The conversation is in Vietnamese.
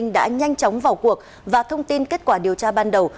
đã nhanh chóng vào cuộc và thông tin kết quả điều tra ban đầu